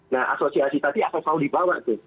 nah asosiasi tadi akan selalu dibawa tuh